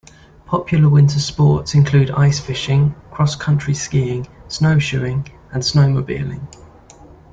Popular winter sports include ice fishing, cross-country skiing, snowshoeing, and snowmobiling.